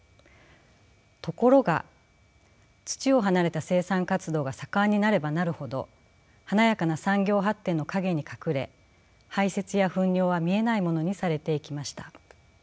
ところが土を離れた生産活動が盛んになればなるほど華やかな産業発展の陰に隠れ排泄や糞尿は見えないものにされていきました。